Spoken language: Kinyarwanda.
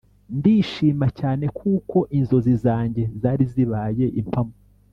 ndishima cyane kuko inzozi zanjye zari zibaye impamo